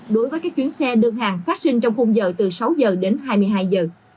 đối với các chuyến xe đơn hàng phát sinh trong khung giờ từ sáu giờ đến hai mươi hai giờ